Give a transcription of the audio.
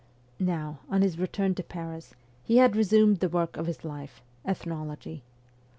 Now, on his return to Paris, he had resumed the work of his life ethnology.